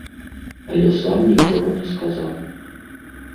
Але сам нічога не сказаў.